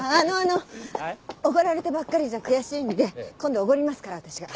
おごられてばっかりじゃ悔しいんで今度おごりますから私が。